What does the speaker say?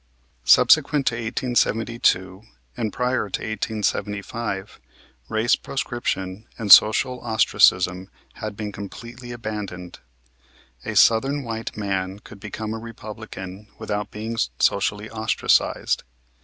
Subsequent to 1872 and prior to 1875 race proscription and social ostracism had been completely abandoned. A Southern white man could become a Republican without being socially ostracized.